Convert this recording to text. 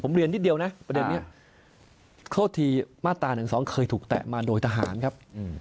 ผมเรียนนิดเดียวนะประเด็นนี้โทษทีมาตรา๑๒เคยถูกแตะมาโดยทหารครับ